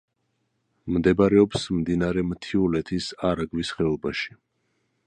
მდებარეობს მდინარე მთიულეთის არაგვის ხეობაში.